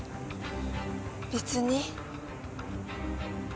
別に。